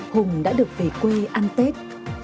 hùng đã được về quê ăn tết